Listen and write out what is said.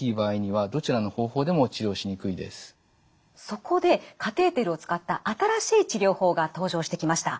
そこでカテーテルを使った新しい治療法が登場してきました。